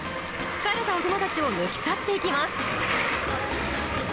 疲れた大人たちを抜き去っていきます。